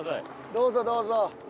どうぞどうぞ。